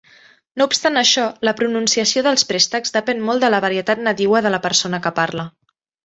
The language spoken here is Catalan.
No obstant això, la pronunciació dels préstecs depèn molt de la varietat nadiua de la persona que parla.